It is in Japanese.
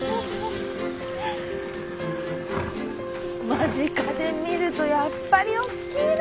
間近で見るとやっぱりおっきいな！